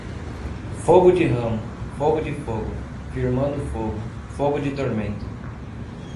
Fogo de ramo, fogo de fogo; Firmando fogo, fogo de tormento.